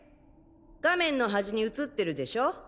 画面の端に映ってるでしょ？